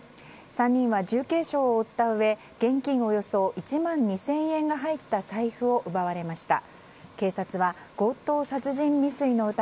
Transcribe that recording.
３人は重軽傷を負ったうえ現金およそ１万２０００円が入った財布を奪われました。